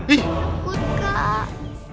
ih takut kak